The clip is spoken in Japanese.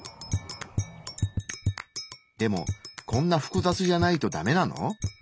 でもこんな複雑じゃないとダメなの？